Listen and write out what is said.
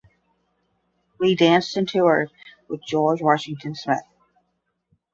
Lee danced and toured with George Washington Smith.